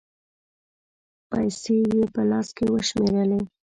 پېسې یې په لاس و شمېرلې